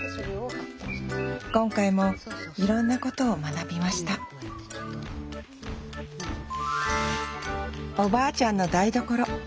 今回もいろんなことを学びましたおばあちゃんの台所。